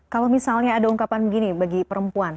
kalau misalnya ada ungkapan begini bagi perempuan